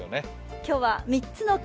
今日は３つの「か」